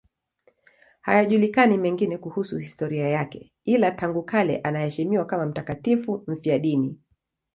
Hayajulikani mengine kuhusu historia yake, ila tangu kale anaheshimiwa kama mtakatifu mfiadini.